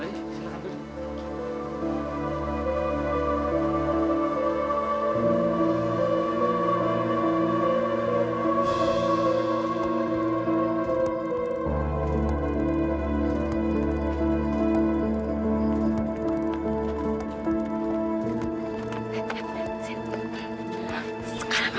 pasti dia sudah terserah